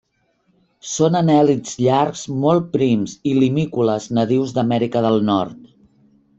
Són anèl·lids llargs, molt prims, i limícoles nadius d'Amèrica del Nord.